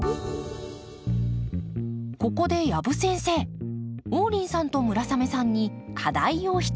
ここで養父先生王林さんと村雨さんに課題を一つ。